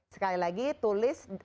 sekali lagi tulis pertanyaan